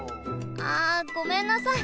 あごめんなさい！